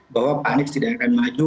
bahwa pak anies tidak akan maju